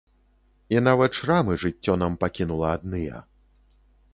І нават шрамы жыццё нам пакінула адныя.